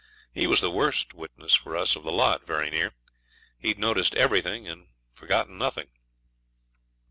He was the worst witness for us of the lot, very near. He'd noticed everything and forgot nothing.